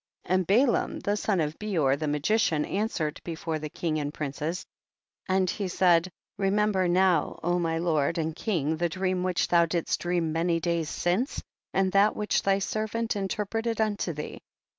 5. And Balaam the son of Beor the magician answered before the king and princes, and he said, re member now, O my lord and king, the dream which thou didst dream many days since, and that which thy servant interpreted unto thee.